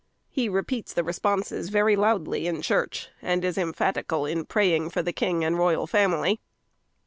He repeats the responses very loudly in church, and is emphatical in praying for the king and royal family.